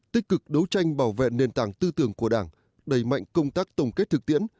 tích cực đấu tranh bảo vệ nền tảng tư tưởng của đảng đẩy mạnh công tác tổng kết thực tiễn